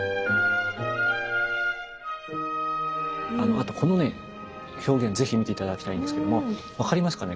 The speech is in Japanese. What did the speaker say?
あとこのね表現是非見て頂きたいんですけれども分かりますかね？